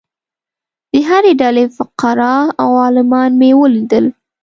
د هرې ډلې فقراء او عالمان مې ولیدل.